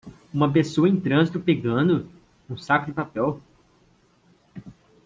Uma pessoa em trânsito pegando? um saco de papel.